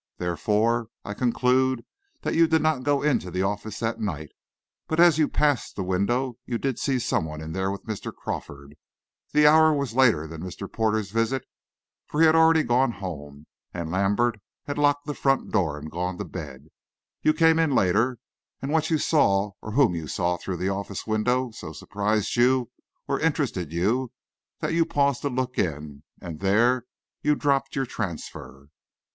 Therefore I conclude that you did not go into the office that night, but as you passed the window you did see someone in there with Mr. Crawford. The hour was later than Mr. Porter's visit, for he had already gone home, and Lambert had locked the front door and gone to bed. You came in later, and what you saw, or whom you saw through the office window so surprised you, or interested you, that you paused to look in, and there you dropped your transfer."